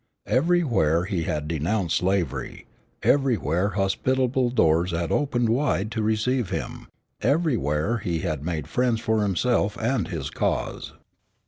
Everywhere he had denounced slavery, everywhere hospitable doors had opened wide to receive him, everywhere he had made friends for himself and his cause.